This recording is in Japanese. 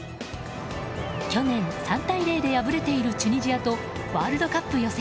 去年３対０で敗れているチュニジアとワールドカップ予選